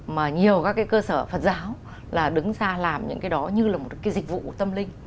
mà nhiều các cái cơ sở phật giáo là đứng ra làm những cái đó như là một cái dịch vụ tâm linh